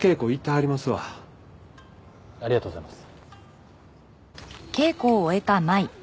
ありがとうございます。